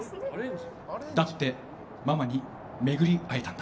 「だってママにめぐり逢えたんだ」。